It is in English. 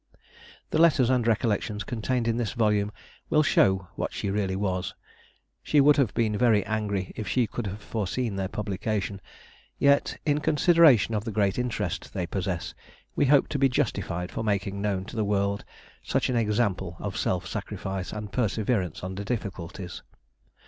The Letters and Recollections contained in this volume will show what she really was. She would have been very angry if she could have foreseen their publication, yet, in consideration of the great interest they possess, we hope to be justified for making known to the world such an example of self sacrifice and perseverance under difficulties.